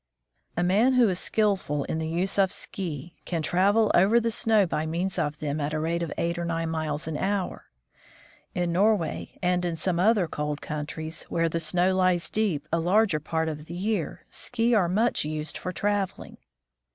A man who is skillful in the use of ski can travel over the snow by means of them at a rate of eight or nine miles an hour. In Norway and in some other cold countries, where the snow lies deep a larger part of the year, ski are much used for traveling.